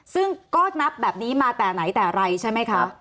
ซึ่งก็นับแบบนี้มาแต่ไหนแต่ไรใช่ไหมคะ